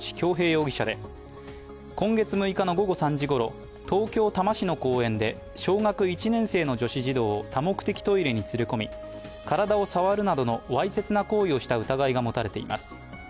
容疑者で今月６日の午後３時ごろ東京・多摩市の公園で小学１年生の女子児童を多目的トイレに連れ込み体を触るなどのわいせつな行為をした疑いが持たれています。